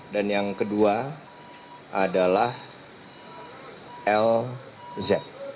dan yang kedua adalah lz